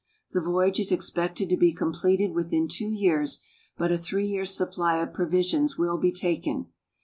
The voyage is expected to be completed within two years, but a three years' supply of provisions will be taken.